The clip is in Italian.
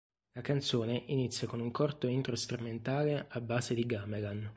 La canzone inizia con un corto intro strumentale a base di gamelan.